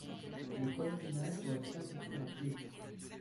Les pèlerinages doivent s'accomplir à pied.